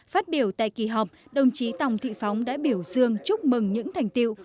phát biểu tại kỳ họp đồng chí tòng thị phóng đã biểu dương chúc mừng những thành tiệu